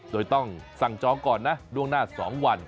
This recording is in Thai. โดยต้องสั่งจองก่อนนะล่วงหน้า๒วัน